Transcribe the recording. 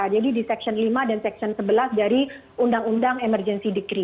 jadi di seksian lima dan seksian sebelas dari undang undang emergency degree